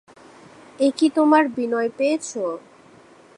এ কি তোমার বিনয় পেয়েছ?